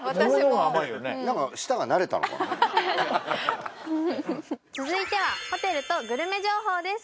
うん続いてはホテルとグルメ情報です